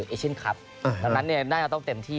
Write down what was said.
เอเชียนคลับตอนนั้นเนี่ยน่าจะต้องเต็มที่